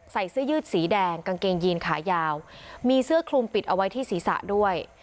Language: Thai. ใส่เสื้อยืดสีแดงกางเกงยีนขายาวมีเสื้อคลุมปิดเอาไว้ที่ศีรษะด้วย